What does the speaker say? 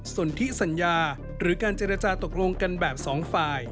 ส่วนที่สัญญาหรือการเจรจาตกลงกันแบบสองฝ่าย